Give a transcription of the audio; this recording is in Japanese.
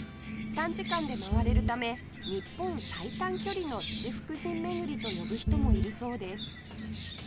短時間で回れるため「日本最短距離の七福神めぐり」と呼ぶ人もいるそうです